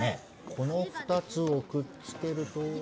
この２つをくっつけると。